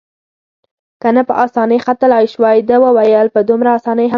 که نه په اسانۍ ختلای شوای، ده وویل: په دومره اسانۍ هم نه.